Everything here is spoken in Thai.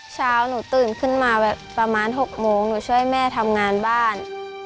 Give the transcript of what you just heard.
เช้าหนูตื่นขึ้นมาแบบประมาณ๖โมงหนูช่วยแม่ทำงานบ้าน